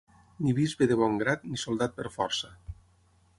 Ni bisbe de bon grat, ni soldat per força.